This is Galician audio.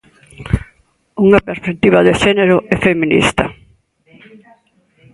Unha perspectiva de xénero e feminista.